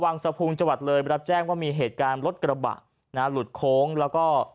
วังสภุงจัวรึงจับแจ้งว่ามีเหตุการณ์รถกระบะนะหลุดโค้งแล้วก็